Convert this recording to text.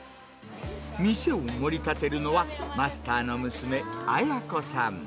店を盛りたてるのは、マスターの娘、綾子さん。